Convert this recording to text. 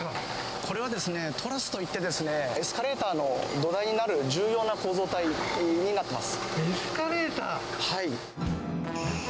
これはですね、トラスといってですね、エスカレーターの土台になる重要な構造体になってます。